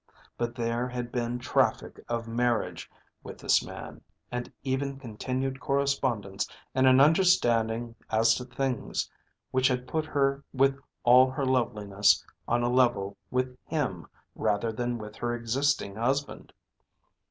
But there had been traffic of marriage with this man, and even continued correspondence and an understanding as to things which had put her with all her loveliness on a level with him rather than with her existing husband.